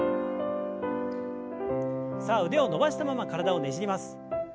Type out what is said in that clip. さあ腕を伸ばしたまま体をねじります。